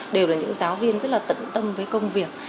đều là những giáo viên rất là tận tâm với công việc